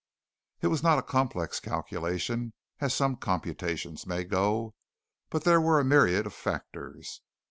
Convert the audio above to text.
It was not a complex calculation as some computations may go, but there were a myriad of factors.